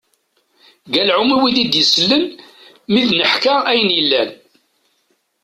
Galɛum i wid d-isellen, mi d-neḥka ayen yellan.